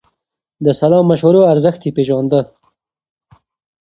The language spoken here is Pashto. د سلا مشورو ارزښت يې پېژانده.